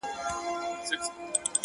زه به د پنجاب د ړنګېدلو زېری درکمه-